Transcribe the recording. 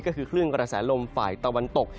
ก็คือคลื่นกระแสลมฝ่ายตะวันตก